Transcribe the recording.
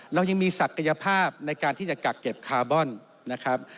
เรายังมีศักยภาพในการที่จะกักเก็บคาร์บอนนะครับ